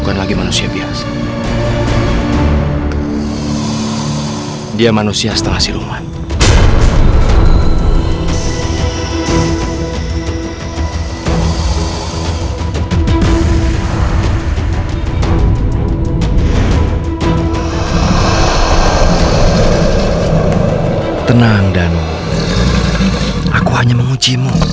kamu pasti kayak gini